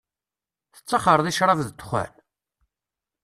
Tettaxxṛeḍ i ccṛab d dexxan?